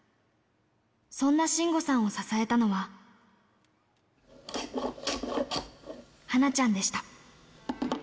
そんな信吾さんを支えたのは、はなちゃんでした。